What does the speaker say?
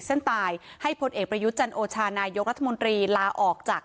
เส้นตายให้ผลเอกปรยุทธจันทร์โอชาณายกรรภรรภ์มนตรีลาออกจาก